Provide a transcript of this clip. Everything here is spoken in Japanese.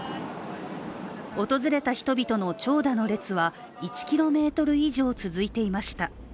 訪れた人々の長蛇の列は１ｋｍ以上続いていました。